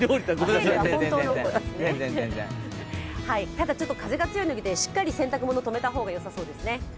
ただ、風が強いので、しっかり洗濯物止めた方がよさそうですね。